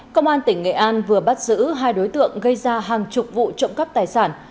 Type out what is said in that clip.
công an tỉnh nghệ an vừa bắt giữ hai đối tượng gây ra hàng chục vụ trộm cắp tài sản